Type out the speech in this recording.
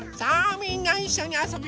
みんないっしょにあそびますよ。